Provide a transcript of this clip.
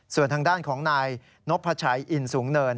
ส่วนทางด้านของนายนพชัยอินสูงเนิน